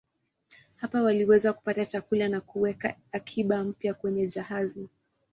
Hapa waliweza kupata chakula na kuweka akiba mpya kwenye jahazi.